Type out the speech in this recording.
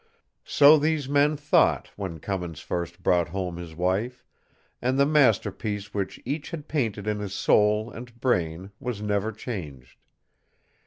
So these men thought when Cummins first brought home his wife, and the masterpiece which each had painted in his soul and brain was never changed.